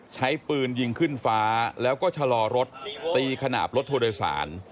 ใช้ปืนยิงขึ้นฟ้าแล้วก็ชะลอรถตีขนาดรถทัวร์โดยสาร